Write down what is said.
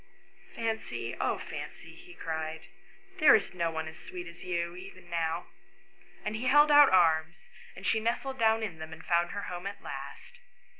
" Fancy, oh Fancy," he cried, " there is no one so sweet as you, even now ;" and he held out his arms, and she nestled down in them, and found her home at last.